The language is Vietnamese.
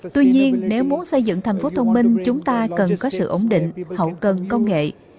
tuy nhiên nếu muốn xây dựng thành phố thông minh chúng ta cần có sự ổn định hậu cần công nghệ